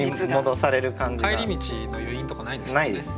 帰り道の余韻とかないですもんね。